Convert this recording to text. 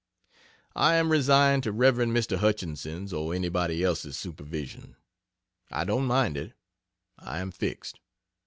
I am resigned to Rev. Mr. Hutchinson's or anybody else's supervision. I don't mind it. I am fixed.